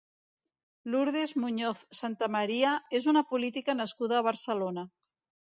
Lourdes Muñoz Santamaría és una política nascuda a Barcelona.